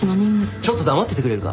ちょっと黙っててくれるか！？